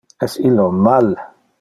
Es illo mal